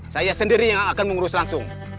saya sendiri yang akan mengurus langsung